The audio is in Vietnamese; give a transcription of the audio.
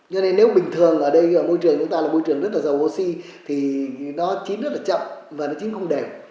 cho nên nếu bình thường ở đây môi trường chúng ta là môi trường rất là giàu oxy thì nó chín rất là chậm và nó chính không để